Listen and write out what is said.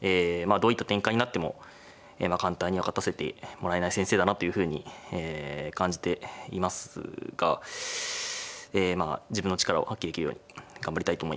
どういった展開になっても簡単には勝たせてもらえない先生だなというふうに感じていますがえまあ自分の力を発揮できるように頑張りたいと思います。